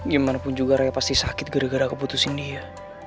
gimana pun juga raya pasti sakit gara gara keputusin dia